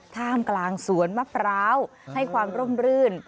ท่ามกลางสวนมะพร้าวให้ความร่มรื่น